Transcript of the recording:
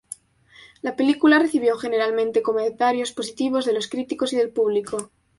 La película recibió generalmente comentarios positivos de los críticos y del público.